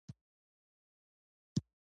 بل هر هغه څه چې د تاريخ په اوږدو کې .